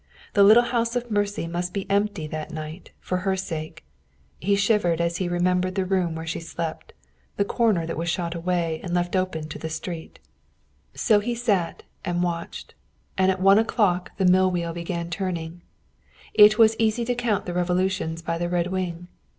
The little house of mercy must be empty that night, for her sake. He shivered as he remembered the room where she slept, the corner that was shot away and left open to the street. So he sat and watched. And at one o'clock the mill wheel began turning. It was easy to count the revolutions by the red wing.